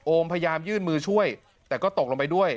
พยายามยื่นมือช่วยแต่ก็ตกลงไปด้วย